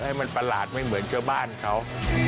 ให้มันประหลาดไม่เหมือนเจ้าบ้านเขา